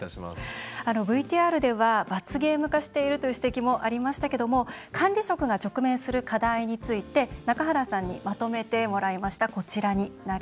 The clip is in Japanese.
ＶＴＲでは罰ゲーム化しているという指摘もありましたけども管理職が直面する課題について中原さんにまとめてもらいました。